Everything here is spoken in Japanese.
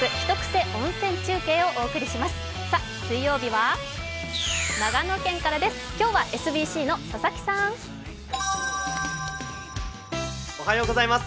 水曜日は、長野県からです